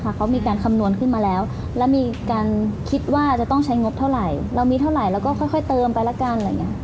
เขามีการคำนวณขึ้นมาแล้วแล้วมีการคิดว่าจะต้องใช้งบเท่าไหร่เรามีเท่าไหร่เราก็ค่อยเติมไปละกันอะไรอย่างนี้